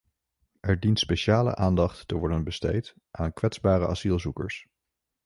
Er dient speciale aandacht te worden besteed aan kwetsbare asielzoekers.